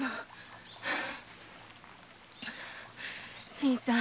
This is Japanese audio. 新さん。